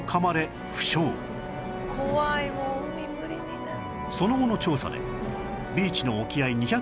もう海無理になる」